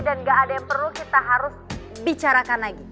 dan gak ada yang perlu kita harus bicarakan lagi